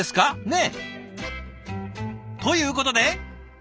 ねえ！ということで！